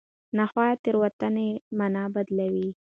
نحوي تېروتنه مانا بدلوي.